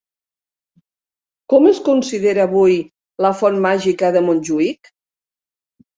Com es considera avui la Font màgica de Montjuïc?